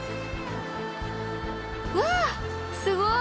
［うわすごい！］